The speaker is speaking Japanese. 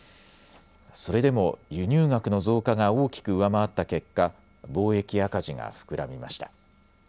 それでも輸入額の増加が大きく上回った結果、貿易赤字が膨らみました。